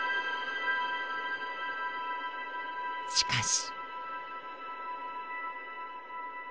しかし。